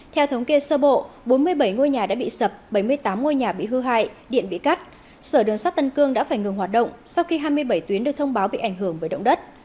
theo thống kê sơ bộ bốn mươi bảy ngôi nhà đã bị sập bảy mươi tám ngôi nhà bị hư hại điện bị cắt sở đường sát tân cương đã phải ngừng hoạt động sau khi hai mươi bảy tuyến được thông báo bị ảnh hưởng bởi động đất